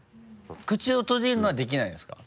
口を閉じるのはできないですか？